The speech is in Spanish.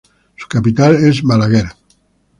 Su capital es Balaguer.